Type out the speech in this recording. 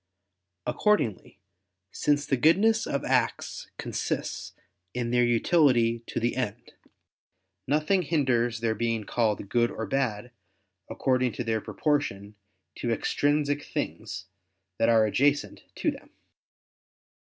Accordingly, since the goodness of acts consists in their utility to the end, nothing hinders their being called good or bad according to their proportion to extrinsic things that are adjacent to them.